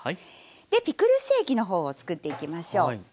でピクルス液の方を作っていきましょう。